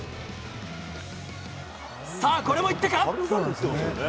さあ、これもいったか。